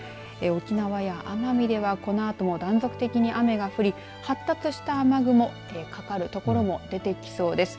沖縄や奄美では、このあとも断続的に雨が降り発達した雨雲、かかる所も出てきそうです。